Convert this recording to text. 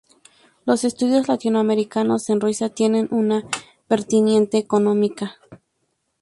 Los estudios latinoamericanos en Rusia tienen una vertiente económica.